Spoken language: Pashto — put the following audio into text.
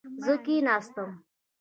زه کښېناستم